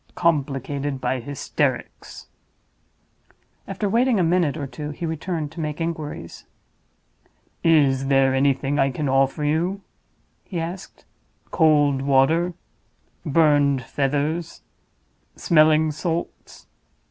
"Complicated by hysterics." After waiting a minute or two he returned to make inquiries. "Is there anything I can offer you?" he asked. "Cold water? burned feathers? smelling salts?